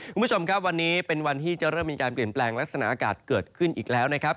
คุณผู้ชมครับวันนี้เป็นวันที่จะเริ่มมีการเปลี่ยนแปลงลักษณะอากาศเกิดขึ้นอีกแล้วนะครับ